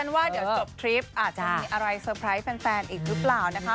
ว่าเดี๋ยวจบทริปอาจจะมีอะไรเซอร์ไพรส์แฟนอีกหรือเปล่านะคะ